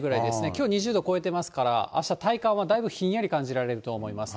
きょう２０度超えてますから、あした体感はだいぶひんやり感じられると思います。